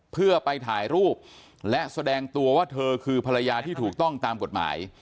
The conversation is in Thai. เพื่อไปถ่ายรูปและแสดงตัวว่าเธอคือภรรยาที่ถูกต้องตามกฎหมาย